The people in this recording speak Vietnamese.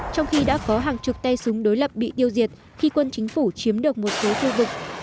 trong khi đã có hàng chục tay súng đối lập bị tiêu diệt khi quân chính phủ chiếm được một số khu vực